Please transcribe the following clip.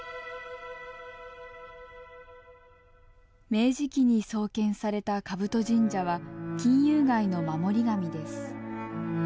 明治期に創建された兜神社は金融街の守り神です。